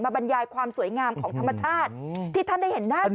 บรรยายความสวยงามของธรรมชาติที่ท่านได้เห็นหน้าจอ